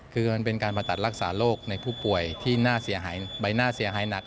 คือมันเป็นการผ่าตัดรักษาโรคในผู้ป่วยที่น่าเสียหายใบหน้าเสียหายหนัก